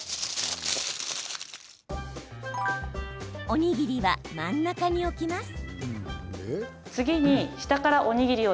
おにぎりは、真ん中に置きます。